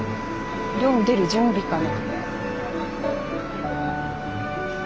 漁に出る準備かな。